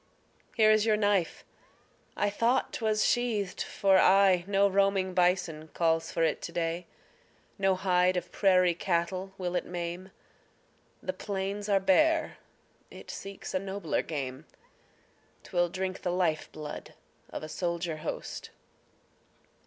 Here is your knife! I thought 'twas sheathed for aye. No roaming bison calls for it to day; No hide of prairie cattle will it maim; The plains are bare, it seeks a nobler game: 'Twill drink the life blood of a soldier host.